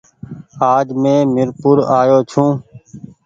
آج مينٚ مير پور آ يو ڇوٚنٚ